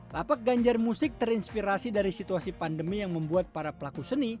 lapak ganjar musik terinspirasi dari situasi pandemi yang membuat para pelaku seni